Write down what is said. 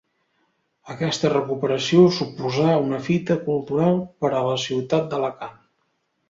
Aquesta recuperació suposà una fita cultural per a la ciutat d'Alacant.